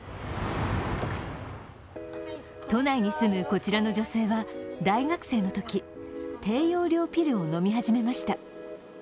都内に住むこちらの女性は大学生のとき、低用量ピルを飲み始めました。